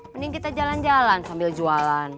mending kita jalan jalan sambil jualan